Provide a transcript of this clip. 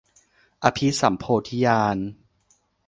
อภิสัมโพธิญาณ